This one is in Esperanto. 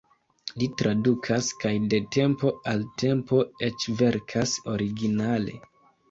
Li tradukas kaj de tempo al tempo eĉ verkas originale.